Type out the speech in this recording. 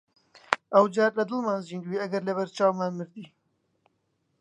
ئەو جار لە دڵمانا زیندووی ئەگەر لەبەر چاومان مردی!